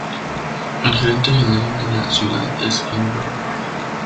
El Gerente General de la ciudad es Ken Lerner.